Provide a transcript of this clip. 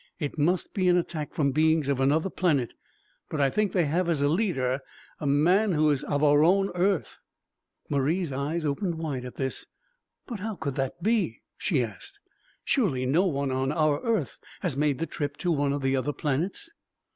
It must be an attack from beings of another planet, but I think they have as a leader a man who is of our own earth." Marie's eyes opened wide at this. "But how could that be?" she asked. "Surely no one from our earth has made the trip to one of the other planets?"